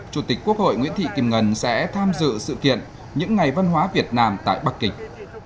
chủ tịch quốc hội nguyễn thị kim ngân sẽ tham dự sự kiện những ngày văn hóa việt nam tại bắc kinh